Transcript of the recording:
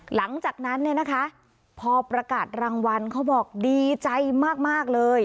หลังจากนั้นเนี่ยนะคะพอประกาศรางวัลเขาบอกดีใจมากเลย